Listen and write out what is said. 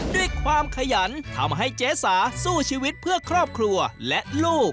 ด้วยความขยันทำให้เจ๊สาสู้ชีวิตเพื่อครอบครัวและลูก